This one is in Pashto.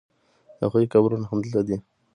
د هغوی قبرونه همدلته دي.